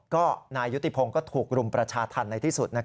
ก็นายยุติพงศ์ก็ถูกรุมประชาธรรมในที่สุด